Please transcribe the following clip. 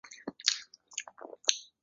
有很多讨论何为纯育的论述。